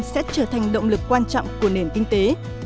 sẽ trở thành động lực quan trọng của nền kinh tế